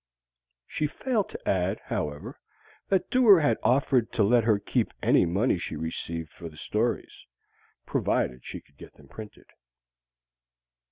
She failed to add, however, that Dewar had offered to let her keep any money she received for the stories provided she could get them printed.